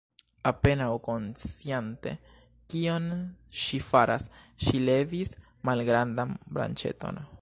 Apenaŭ konsciante kion ŝi faras, ŝi levis malgrandan branĉeton.